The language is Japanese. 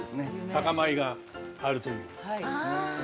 酒米があるという。